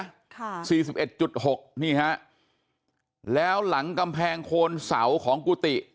ค่ะสี่สิบเอ็ดจุดหกนี่ฮะแล้วหลังกำแพงโคนเสาของกุฏิ